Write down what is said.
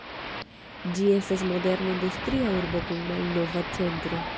Ĝi estas moderna industria urbo kun malnova centro.